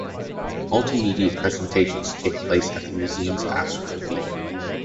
Multimedia presentations take place at the museum’s Astro Theater.